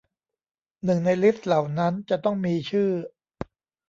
หนึ่งในลิสต์เหล่านั้นจะต้องมีชื่อ